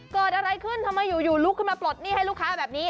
เกิดอะไรขึ้นทำไมอยู่ลุกขึ้นมาปลดหนี้ให้ลูกค้าแบบนี้